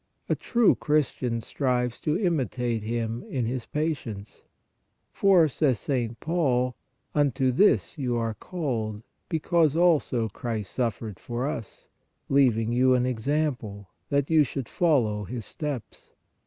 A true Christian strives to imi tate Him in His patience. For/ says St. Peter (I 2. 21 23), unto this you are called; because also Christ suffered for us, leaving you an example, that you should follow His steps.